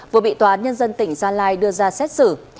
vừa bị tòa án nhân dân tỉnh gia lai đưa ra xét xử